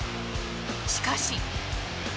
しかし。